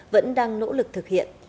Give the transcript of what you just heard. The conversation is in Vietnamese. vẫn đang nỗ lực thực hiện